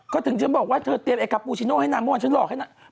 ก็ถึงฉันบอกว่าเธอเตรียมไอคาปูชิโนให้นางเมื่อวานฉันหลอกให้นาง